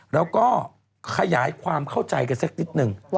แล้วก็ขยายความเข้าใจกันสักนิดนึง